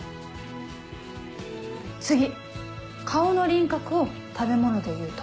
次顔の輪郭を食べ物でいうと？